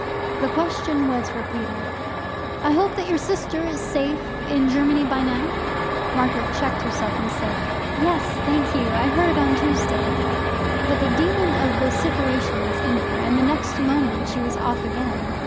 The question was repeated: "I hope that your sister is safe in Germany by now." Margaret checked herself and said, "Yes, thank you; I heard on Tuesday." But the demon of vociferation was in her, and the next moment she was off again.